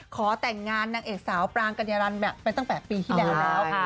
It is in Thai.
ขอแต่งงานนางเอกสาวปรางกัญญารันแบบไปตั้งแต่ปีที่แล้วแล้ว